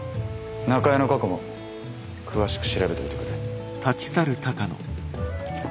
中江の過去も詳しく調べといてくれ。